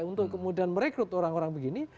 untuk kemudian merekrut orang orang begini